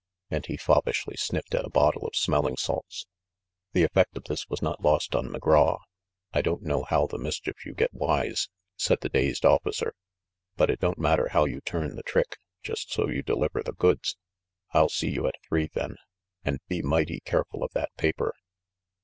And he fop pishly sniffed at a bottle of smelling salts. The effect of this was not lost on McGraw. "I don't know how the mischief you get wise," said the dazed officer; "but it don't matter how you turn the trick, just so you deliver the goods. I'll see you at three then. And be mighty careful of that paper